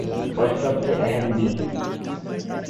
اور سب سے اہم بھی ۔